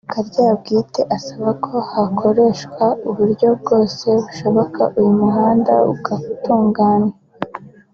Karyabwite asaba ko hakoreshwa uburyo bwose bushoboka uyu muhanda ugatunganywa